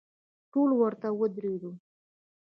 ټول ورته ودریدو.